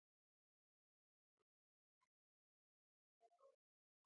موزیک د پخوانیو ورځو یاد دی.